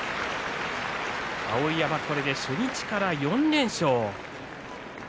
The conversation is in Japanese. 碧山はこれで初日から４連勝。